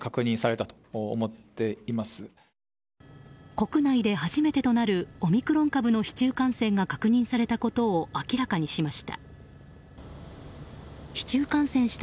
国内で初めてとなるオミクロン株の市中感染が確認されたことを明らかにしました。